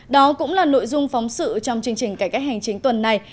đó cũng là nội dung phóng sự trong chương trình cải cách hành chính tuần này